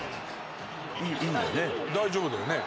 大丈夫だよね？